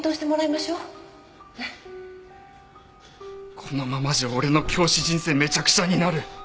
このままじゃ俺の教師人生めちゃくちゃになる。